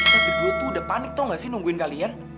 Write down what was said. kejurutu udah panik tau gak sih nungguin kalian